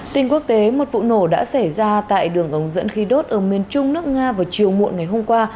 tin quốc tế một vụ nổ đã xảy ra tại đường ống dẫn khí đốt ở miền trung nước nga vào chiều muộn ngày hôm qua